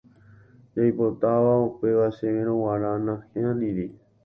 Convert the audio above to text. Jaipotápa upéva chéverõ g̃uarã nahániri.